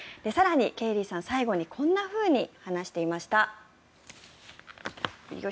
更にケイリーさん最後にこんなふうに話していました。